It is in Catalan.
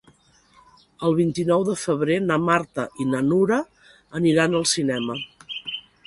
El vint-i-nou de febrer na Marta i na Nura aniran al cinema.